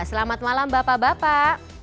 selamat malam bapak bapak